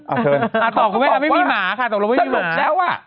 อ่าเขาบอกว่าฉันหลงแล้วอ่ะ